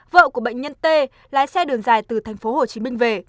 vợ của bệnh nhân t lái xe đường dài từ tp hcm về